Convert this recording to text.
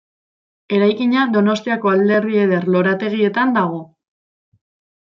Eraikina Donostiako Alderdi Eder lorategietan dago.